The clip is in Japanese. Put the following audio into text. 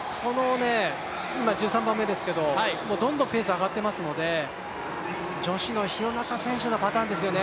どんどんペースが上がっていますので、女子の廣中選手のパターンですよね。